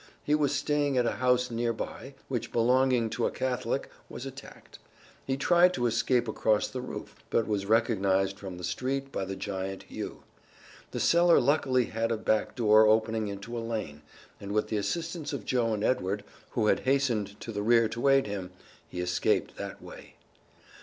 He was staying at a house near by, which, belonging to a Catholic, was attacked. He tried to escape across the roof, but was recognized from the street by the giant Hugh. The cellar luckily had a back door opening into a lane, and with the assistance of Joe and Edward, who had hastened to the rear to aid him, he escaped that way.